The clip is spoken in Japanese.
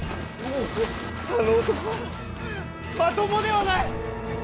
あの男はまともではない！